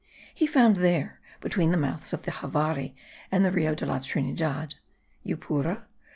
He found there, between the mouths of the Javari and the Rio de la Trinidad (Yupura?)